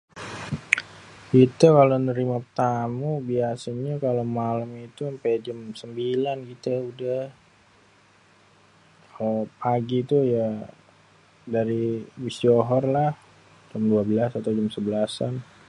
kité kalo nérima tamu biasanyé kalo malém itu ampé jém sémbilan kité udéh kalo pagi itu ya dari abis johor lah dari jém duabélasan atau jém sébélasan